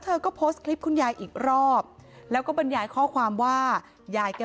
เธอก็โพสต์คลิปคุณยายอีกรอบแล้วก็บรรยายข้อความว่ายายแก